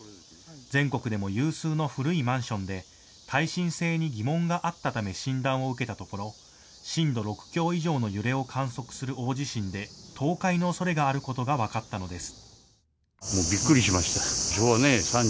全国でも有数の古いマンションで耐震性に疑問があったため診断を受けたところ震度６強以上の揺れを観測する大地震で倒壊のおそれがあることが分かったのです。